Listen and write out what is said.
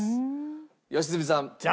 良純さん。